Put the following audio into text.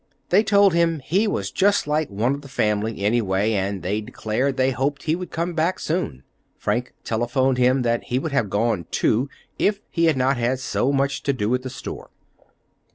They told him he was just like one of the family, anyway, and they declared they hoped he would come back soon. Frank telephoned him that he would have gone, too, if he had not had so much to do at the store.